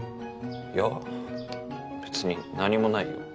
いや別に何もないよ。